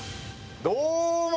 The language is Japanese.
どうも！